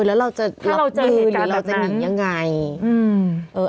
แล้วเราจะหยุดหรือเราจะหนีอย่างไร